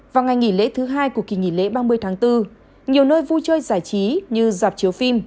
vào ngày nghỉ lễ thứ hai của kỳ nghỉ lễ ba mươi tháng bốn nhiều nơi vui chơi giải trí như dạp chiếu phim